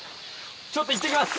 ちょっといってきます。